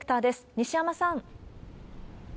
西山さん。